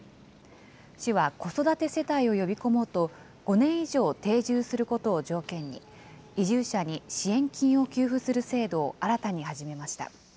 市は子育て世帯を呼び込もうと、５年以上定住することを条件に、移住者に支援金を給付する制度を新たに始めました。